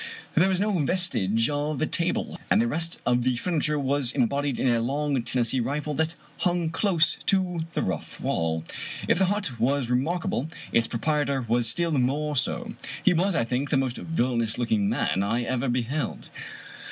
There was no vestige of a table, and the rest of the furniture was embodied in a long Tennessee rifle that hung close to the rough wall. If the hut was remarkable, its proprietor was still more so. He was, I think, the most villainous looking man I ever beheld.